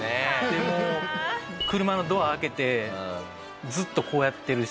もう車のドア開けてずっとこうやってるし。